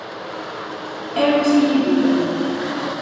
Arut yid-i.